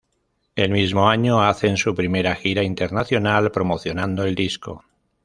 El mismo año hacen su primera gira internacional promocionando el disco.